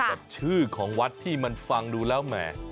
กับชื่อของวัดที่มันฟังดูแล้วแหม